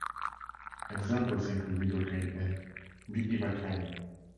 Examples include lidocaine and bupivacaine.